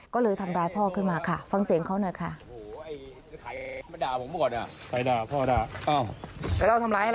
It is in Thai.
ก็เลยทำร้ายพ่อขึ้นมาค่ะฟังเสียงเขาหน่อยค่ะ